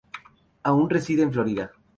Aún reside en Florida.